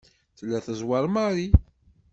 Tella tezweṛ Mary.